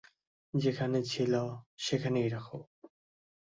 যেখানে ছিল সেখানেই রাখো!